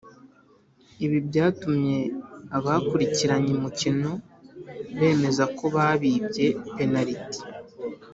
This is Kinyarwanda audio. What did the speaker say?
ibi byatumye abakurikiranye umukino bemeza ko babibye penaliti